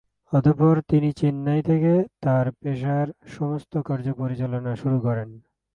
অতঃপর তিনি চেন্নাই থেকে তাঁর পেশার সমস্ত কার্য পরিচালনা শুরু করেন।